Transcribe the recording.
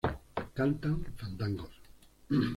Cantan fandangos